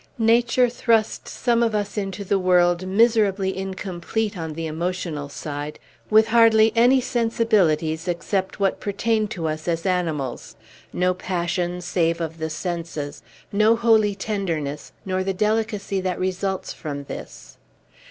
Nature thrusts some of us into the world miserably incomplete on the emotional side, with hardly any sensibilities except what pertain to us as animals. No passion, save of the senses; no holy tenderness, nor the delicacy that results from this.